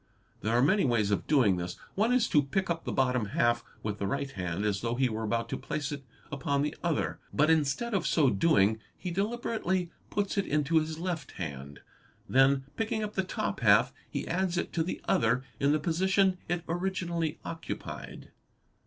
There are many ways of doing this; one is to pick up the bottom half _ with the right hand as though he were about to place it upon the other ; but instead of so doing, he deliberately puts it into his left hand. Then picking up the top half he adds it to the other in the position it originally occupied.